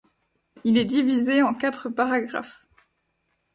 Il est divisé en quatre paragraphes.